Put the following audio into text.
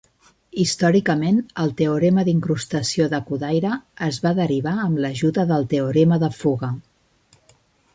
Històricament, el teorema d'incrustació de Kodaira es va derivar amb l'ajuda del teorema de fuga.